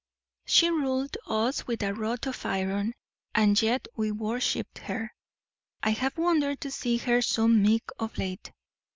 She ruled us with a rod of iron, and yet we worshipped her. I have wondered to see her so meek of late.